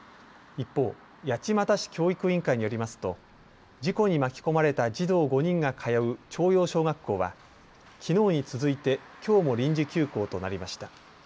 一方、八街市教育委員会によりますと事故に巻き込まれた児童５人が通う朝陽小学校はきのうに続いて、きょうも臨時休校となりました。